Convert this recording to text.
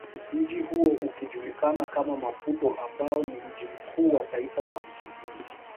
Mji huo ukijulikana kama Maputo ambao ni mji mkuu wa taifa la msumbiji